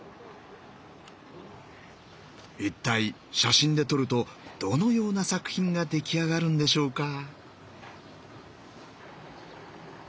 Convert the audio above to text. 一体写真で撮るとどのような作品が出来上がるんでしょうか。